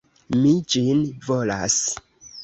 Mi ĝin volas!